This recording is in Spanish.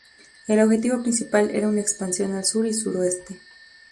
El objetivo principal era una expansión al sur y suroeste.